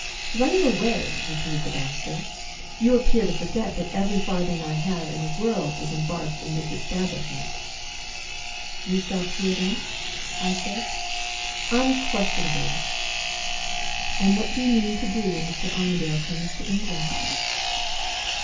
"'Running away?' repeated the doctor. 'You appear to forget that every farthing I have in the world is embarked in this establishment.' "'You stop here, then?' I said. "'Unquestionably!' "'And what do you mean to do when Mr. Armadale comes to England?